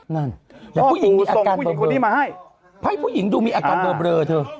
นั่นพ่อปู่ส่งผู้หญิงคนนี้มาให้ให้ผู้หญิงดูมีอาการเบลอเบลอเถอะ